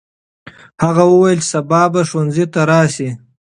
هغه وویل چې سبا به ښوونځي ته راسې.